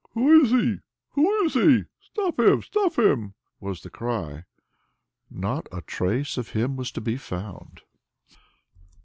"Who is he? Who is he? Stop him! Stop him!" was the cry. Not a trace of him was to be found!